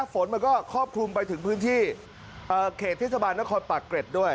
ฝนมันก็ครอบคลุมไปถึงพื้นที่เขตเทศบาลนครปากเกร็ดด้วย